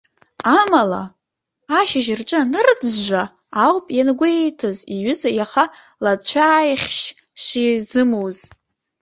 Амала, ашьыжь рҿы анырӡәӡәа ауп иангәеиҭаз иҩыза иаха лацәааихьшь шизымуз.